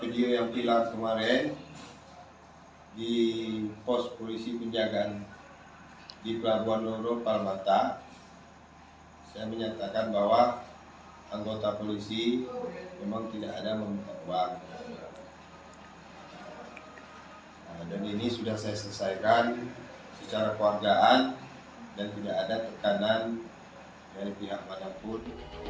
dan ini sudah saya selesaikan secara kekeluargaan dan tidak ada tekanan dari pihak manapun